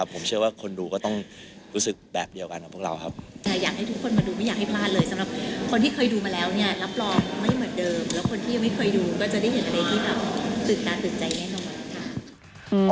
แล้วคนที่ไม่เคยดูก็จะได้เห็นในที่ตื่นตาตื่นใจแน่นอน